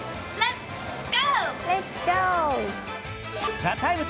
「ＴＨＥＴＩＭＥ，」